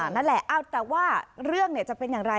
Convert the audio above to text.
นั่นแหละแต่ว่าเรื่องจะเป็นอย่างไร